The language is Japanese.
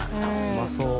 うまそう。